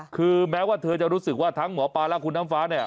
คือแม้ว่าเธอจะรู้สึกว่าทั้งหมอปลาและคุณน้ำฟ้าเนี่ย